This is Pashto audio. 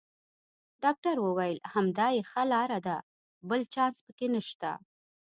ډاکټر وویل: همدا یې ښه لار ده، بل چانس پکې نشته.